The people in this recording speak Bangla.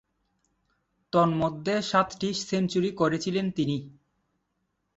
তন্মধ্যে, সাতটি সেঞ্চুরি করেছিলেন তিনি।